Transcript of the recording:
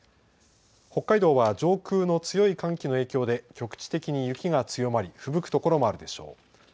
北海道は上空の強い寒気の影響で局地的に雪が強まりふぶく所もあるでしょう。